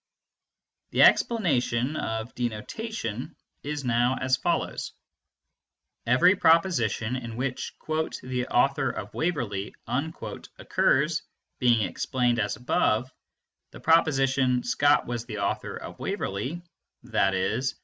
The explanation of denotation is now as follows. Every proposition in which "the author of Waverley" occurs being explained as above, the proposition "Scott was the author of Waverley" (i.e.